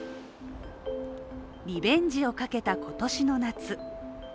リベンジをかけた今年の夏。